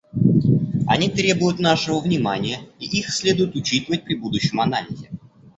Они требуют нашего внимания, и их следует учитывать при будущем анализе.